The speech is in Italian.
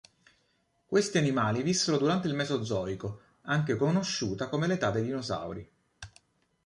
Questi animali vissero durante il Mesozoico, anche conosciuta come l'età dei dinosauri.